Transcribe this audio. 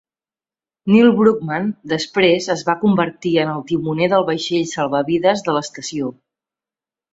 Nil Brockman després es va convertir en el timoner del vaixell salvavides de l'estació.